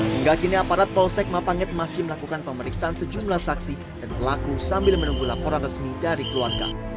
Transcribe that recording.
hingga kini aparat polsek mapanget masih melakukan pemeriksaan sejumlah saksi dan pelaku sambil menunggu laporan resmi dari keluarga